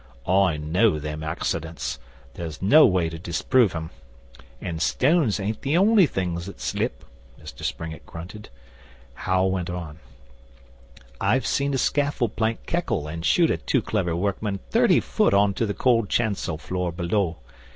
'I know them accidents. There's no way to disprove 'em. An' stones ain't the only things that slip,' Mr Springett grunted. Hal went on: 'I've seen a scaffold plank keckle and shoot a too clever workman thirty foot on to the cold chancel floor below.